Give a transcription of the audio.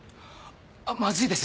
まずいです